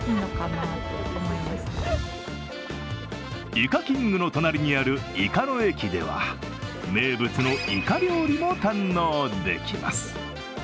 イカキングの隣にあるイカの駅では、名物のいか料理も堪能できます。